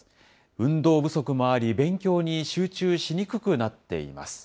運動不足もあり、勉強に集中しにくくなっています。